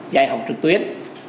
giải học trực tuyến